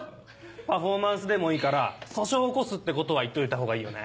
パフォーマンスでもいいから訴訟起こすってことは言っておいたほうがいいよね。